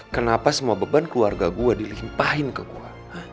kenapa semua beban keluarga gue dilimpahin ke gua